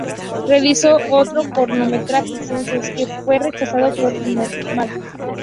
Realizó otro cortometraje, "Senses", que fue rechazado por inmoral.